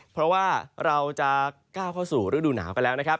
เพราะว่าเราจะก้าวเข้าสู่ฤดูหนาวไปแล้วนะครับ